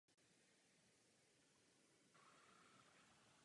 Jeho předsedou byl po celou dobu existence Jiří Dienstbier.